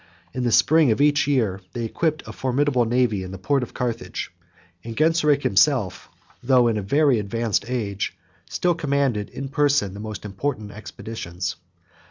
62 In the spring of each year, they equipped a formidable navy in the port of Carthage; and Genseric himself, though in a very advanced age, still commanded in person the most important expeditions.